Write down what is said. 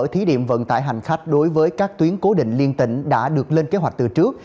thí điểm vận tải hành khách đối với các tuyến cố định liên tỉnh đã được lên kế hoạch từ trước